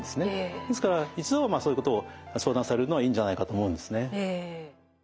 ですから一度はそういうことを相談されるのはいいんじゃないかと思うんですね。